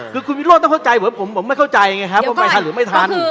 คือคุณวิโรก็แต่เข้าใจเหมือนผมผมไม่เข้าใจไงถ้าไปทันหรือไม่ทัน